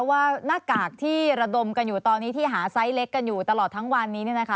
ว่าหน้ากากที่ระดมกันอยู่ตอนนี้ที่หาไซส์เล็กกันอยู่ตลอดทั้งวันนี้